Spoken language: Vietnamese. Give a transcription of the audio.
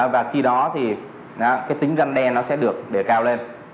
và khi đó thì cái tính răn đen nó sẽ được để cao lên